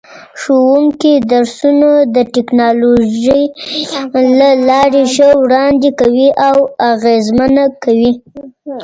ښوونکي درسونه د ټکنالوژۍ له لارې ښه وړاندې کوي او اغېزمنه کوي.